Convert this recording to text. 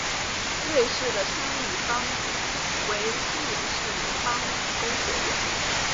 瑞士的参与方为苏黎世联邦理工学院。